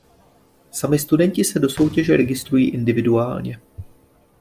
Sami studenti se do soutěže registrují individuálně.